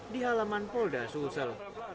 di halaman polda sulsel